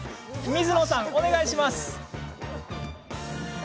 水野さん、お願いします。